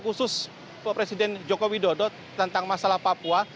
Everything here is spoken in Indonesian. khusus presiden jokowi dodo tentang masalah papua